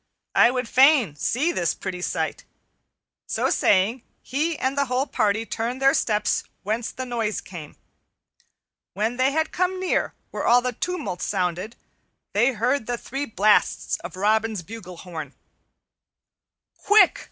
I would fain see this pretty sight." So saying, he and the whole party turned their steps whence the noise came. When they had come near where all the tumult sounded they heard the three blasts of Robin's bugle horn. "Quick!"